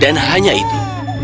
dan hanya itu